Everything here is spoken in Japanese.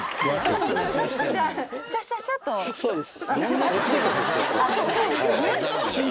そうです。